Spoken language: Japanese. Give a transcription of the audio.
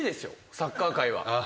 サッカー界は。